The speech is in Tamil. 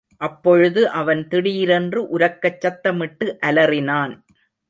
அப்பொழுது அவன் திடீரென்று உரக்கச் சத்தமிட்டு அலறினான்.